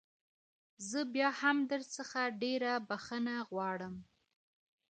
زه بيا هم درڅخه ډېره بخښنه غواړم.